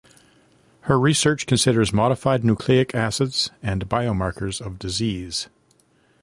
Her research considers modified nucleic acids and biomarkers of disease.